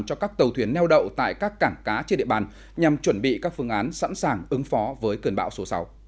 cho các tàu thuyền neo đậu tại các cảng cá trên địa bàn nhằm chuẩn bị các phương án sẵn sàng ứng phó với cơn bão số sáu